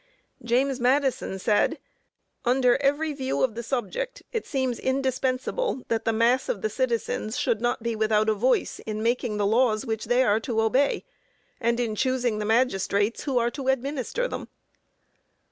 James Madison said: "Under every view of the subject, it seems indispensable that the mass of the citizens should not be without a voice in making the laws which they are to obey, and in choosing the magistrates who are to administer them."